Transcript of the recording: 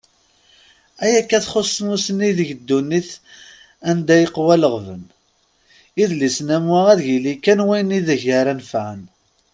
Ayakka txuṣṣ tmusni deg ddunit anda yeqwa leɣben, idlisen am wa ad yili kan wayen ideg ara nefƐen.